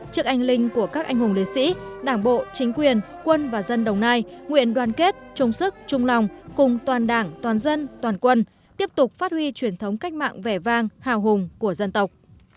trước anh linh của các anh hùng liệt sĩ đảng bộ chính quyền quân và dân đồng nai nguyện đoàn kết chung sức chung lòng cùng toàn đảng toàn dân toàn quân tiếp tục phát huy truyền thống cách mạng vẻ vang hào hùng của dân tộc